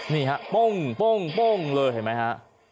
นี่ค่ะป้งป้งป้งเลยเห็นไหมฮะ